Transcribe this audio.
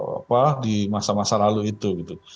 apa di masa masa lalu itu gitu